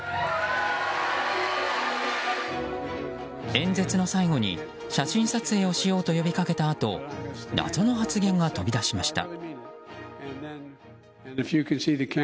演説の最後に、写真撮影をしようと呼びかけたあと謎の発言が飛び出しました。